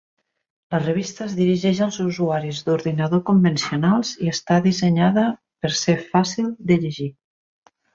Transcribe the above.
La revista es dirigeix als usuaris d'ordinador convencionals i està dissenyada per ser fàcil de llegir.